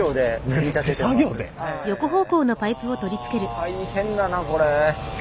大変だなこれ。